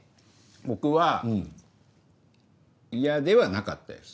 僕は嫌ではなかったです。